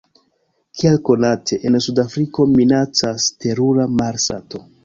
Kiel konate, en suda Afriko minacas terura malsato.